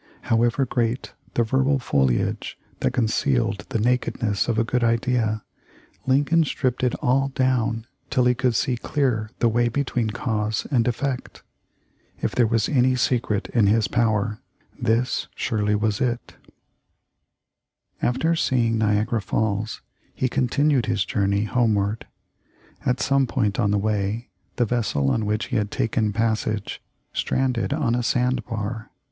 However great the verbal foliage that concealed the nakedness of a good idea Lincoln stripped it all down till he could see clear the way between cause and effect. If there was any secret in his power this surely was it. 298 THE LIFE 0F LINCOLN. After seeing Niagara Falls he continued his jour ney homeward. At some point on the way, the vessel on which he had taken passage stranded on a sand bar.